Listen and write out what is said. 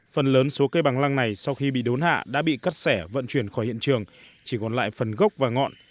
phần lớn số cây bằng lăng này sau khi bị đốn hạ đã bị cắt sẻ vận chuyển khỏi hiện trường chỉ còn lại phần gốc và ngọn